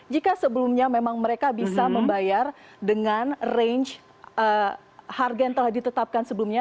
jika sebelumnya memang mereka bisa membayar dengan range harga yang telah ditetapkan sebelumnya